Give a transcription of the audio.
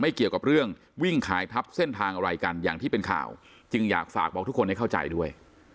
เกี่ยวกับเรื่องวิ่งขายทับเส้นทางอะไรกันอย่างที่เป็นข่าวจึงอยากฝากบอกทุกคนให้เข้าใจด้วย